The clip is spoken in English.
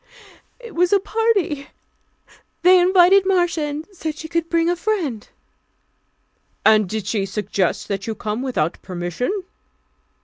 "It was a party. They invited Marcia, and said she could bring a friend." "And did she suggest that you come without permission?"